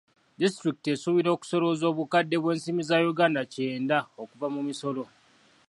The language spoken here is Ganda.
Disitulikiti esuubira okusolooza obukadde bw'ensimbi za Uganda kyenda okuva mu misolo.